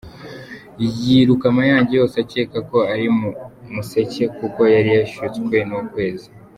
Yiruka Mayange yose akeka ko ari mu museke; kuko yari yashutswe n’ukwezi.